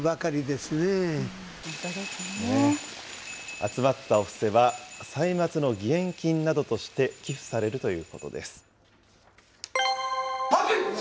集まったお布施は、歳末の義援金などとして寄付されるということです。